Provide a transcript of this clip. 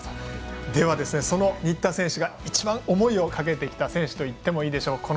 では、その新田選手が一番、思いをかけてきた選手といってもいいでしょう。